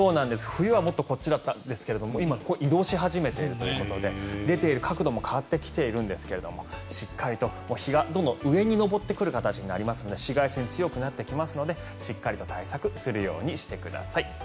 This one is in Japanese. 冬はそうだったんですが今は移動し始めているということで出ている角度も変わってきてるんですが日がどんどん上に昇ってくる形になって紫外線が強まりますのでしっかりと対策するようにしてください。